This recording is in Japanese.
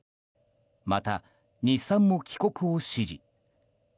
また、日産も帰国を指示。